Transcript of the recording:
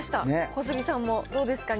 小杉さんもどうですか？